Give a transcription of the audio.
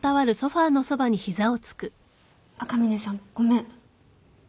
赤嶺さんごめん。